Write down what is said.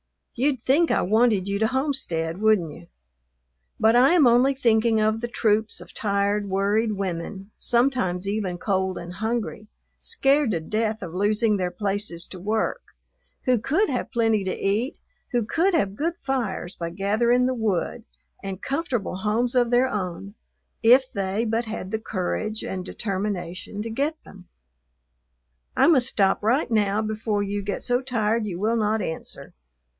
You'd think I wanted you to homestead, wouldn't you? But I am only thinking of the troops of tired, worried women, sometimes even cold and hungry, scared to death of losing their places to work, who could have plenty to eat, who could have good fires by gathering the wood, and comfortable homes of their own, if they but had the courage and determination to get them. I must stop right now before you get so tired you will not answer.